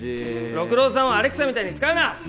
六郎さんをアレクサみたいに使うな。